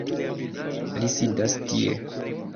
Li sidas tie